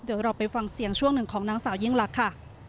เดี๋ยวเราไปฟังเสียงช่วงหนึ่งของนางสาวยิ่งลักษณ์ค่ะ